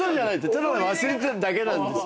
ただ忘れてただけなんですよ。